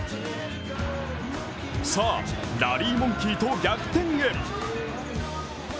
さあ、ラリーモンキーと逆転へ。